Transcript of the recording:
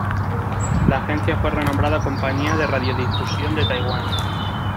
La agencia fue renombrada Compañía de radiodifusión de Taiwán.